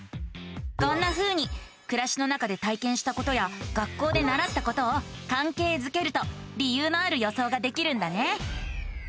こんなふうにくらしの中で体験したことや学校でならったことをかんけいづけると理由のある予想ができるんだね。